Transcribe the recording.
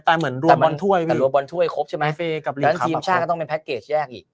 แต่เหมือนรวมบอลถ้วยแต่รวมบอลถ้วยครบใช่ไหมแล้วทีมชาติก็ต้องเป็นแพ็คเกจแยกอีก